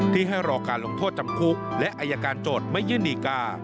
ให้รอการลงโทษจำคุกและอายการโจทย์ไม่ยื่นดีกา